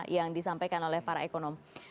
yang disampaikan oleh para ekonom